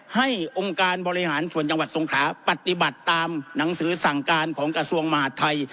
องค์การบริหารส่วนจังหวัดสงขลาปฏิบัติตามหนังสือสั่งการของกระทรวงมหาดไทย